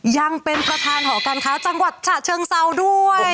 ยังเป็นประธานหอการค้าจังหวัดฉะเชิงเซาด้วย